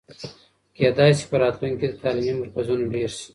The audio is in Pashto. کېدای سي په راتلونکي کې تعلیمي مرکزونه ډېر سي.